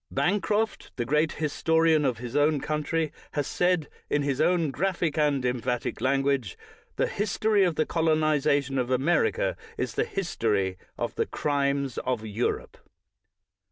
Bancroft, the great historian of his own country, has said, in his own graphic and emphatic language, "The history of the colo uization of America is the history of the crimes of Europe."